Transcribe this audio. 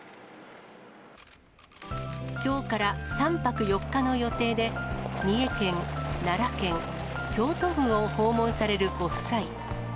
きょうから３泊４日の予定で、三重県、奈良県、京都府を訪問されるご夫妻。